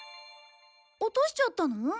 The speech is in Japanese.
落としちゃったの？